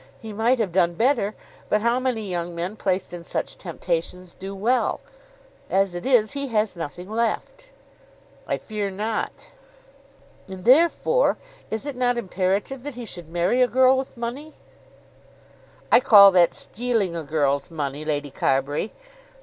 He might have done better; but how many young men placed in such temptations do well? As it is, he has nothing left." "I fear not." "And therefore is it not imperative that he should marry a girl with money?" "I call that stealing a girl's money, Lady Carbury."